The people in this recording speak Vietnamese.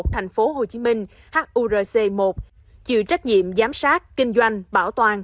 thành phố hồ chí minh hurc một chịu trách nhiệm giám sát kinh doanh bảo toàn